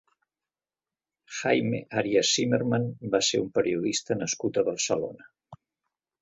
Jaime Arias Zimerman va ser un periodista nascut a Barcelona.